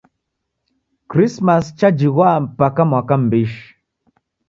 Krismasi chajighwa mpaka mwaka m'mbishi.